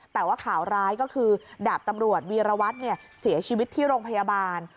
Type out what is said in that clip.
แต่ว่าข่าวร้ายก็คือดาบตำรวจวีรวัตรเสียชีวิตที่โรงพยาบาล